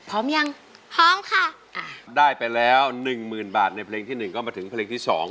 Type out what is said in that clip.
พร้อมยังพร้อมค่ะได้ไปแล้ว๑หมื่นบาทในเพลงที่๑ก็มาถึงเพลงที่๒